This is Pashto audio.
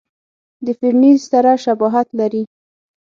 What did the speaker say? د فرني سره شباهت لري.